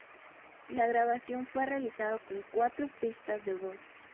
La grabación fue realizada con cuatro pistas de voz.